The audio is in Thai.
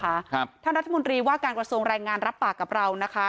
ท่านรัฐมนตรีว่าการกระทรวงแรงงานรับปากกับเรานะคะ